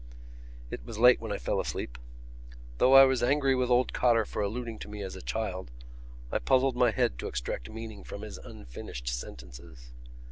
It was late when I fell asleep. Though I was angry with old Cotter for alluding to me as a child, I puzzled my head to extract meaning from his unfinished sentences.